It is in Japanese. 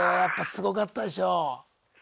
すごかったです。